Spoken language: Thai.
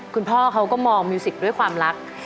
คุณพ่อเขาก็มองมิวสิกด้วยความรัก